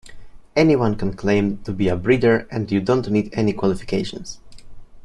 Anyone can claim to be a breeder and you don't need any qualifications.